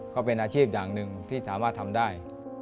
ก็เป็นอาชีพอย่างหนึ่งที่สามารถทำได้